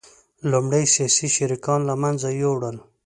لومړی سیاسي شریکان له منځه یوړل